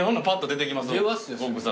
出ますよ。